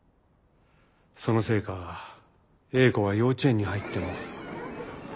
そのせいか英子は幼稚園に入っても。